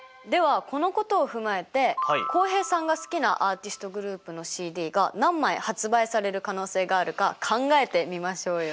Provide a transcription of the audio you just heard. このことを踏まえて浩平さんが好きなアーティストグループのＣＤが何枚発売される可能性があるか考えてみましょうよ。